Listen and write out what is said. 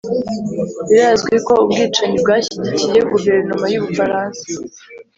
Birazwi ko ubwicanyi bwashyigikiye Guverinoma y u bufaransa